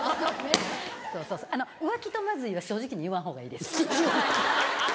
浮気と「まずい」は正直に言わんほうがいいです。ですよね。